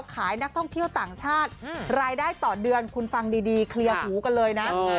ขายนักท่องเที่ยวต่างชาติรายได้ต่อเดือนคุณฟังดีเคลียร์หูกันเลยนะ